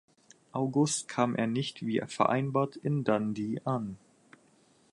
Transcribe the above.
August kam er nicht wie vereinbart in Dundee an.